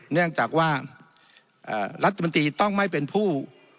เนื่องจากว่ารัฐมนตรีต้องไม่เป็นผู้